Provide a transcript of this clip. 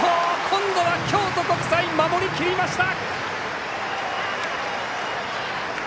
今度は京都国際守りきりました！